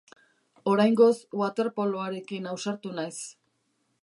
Oraingoz, waterpoloarekin ausartu naiz.